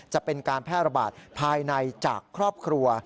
จะเป็นการแพร่ระบาดภายในจากครอบครัว